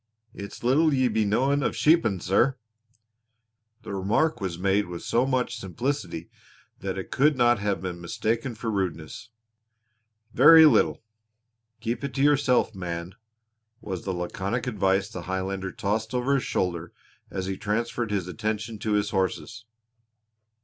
"It's little you be knowin' of sheepin', sir." The remark was made with so much simplicity that it could not have been mistaken for rudeness. "Very little." "Keep it to yourself, man," was the laconic advice the Highlander tossed over his shoulder as he transferred his attention to his horses.